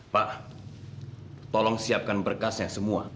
pak tolong siapkan berkasnya semua